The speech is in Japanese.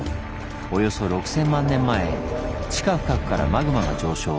およそ６，０００万年前地下深くからマグマが上昇。